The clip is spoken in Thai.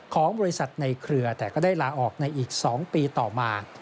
ของบริษัทในเครือแต่ก็ได้ลาออกในอีก๒ปีต่อมา